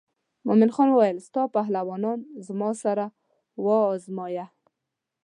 مومن خان وویل ستا پهلوانان هم زما سره وازمایه.